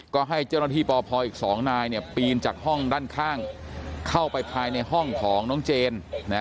ก็ให้เจ้าหน้าที่ปพอีก๒นายปีนจากห้องด้านข้างเข้าไปภายในห้องของน้องเจน